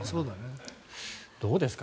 どうですか。